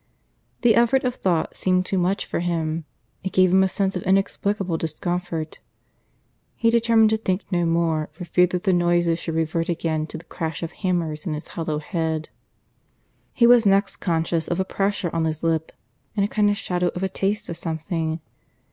The effort of thought seemed too much for him; it gave him a sense of inexplicable discomfort. He determined to think no more, for fear that the noises should revert again to the crash of hammers in his hollow head. ... He was next conscious of a pressure on his lip, and a kind of shadow of a taste of something.